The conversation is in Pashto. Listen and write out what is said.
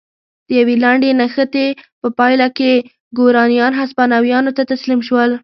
د یوې لنډې نښتې په پایله کې ګورانیان هسپانویانو ته تسلیم شول.